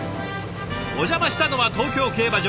お邪魔したのは東京競馬場。